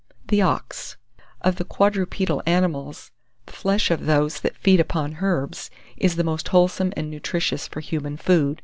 THE OX. Of the quadrupedal animals, the flesh of those that feed upon herbs is the most wholesome and nutritious for human food.